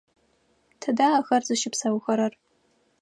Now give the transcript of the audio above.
Тыдэ ахэр зыщыпсэухэрэр?